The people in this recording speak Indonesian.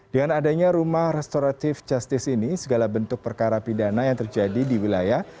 dengan adanya rumah restoratif justice ini segala bentuk perkara pidana yang terjadi di wilayah